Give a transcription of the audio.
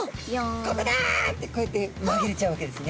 「ここだ」ってこうやってまぎれちゃうわけですね。